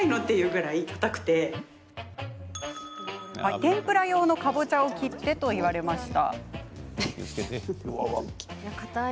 天ぷらの用かぼちゃを切ってと言われまして。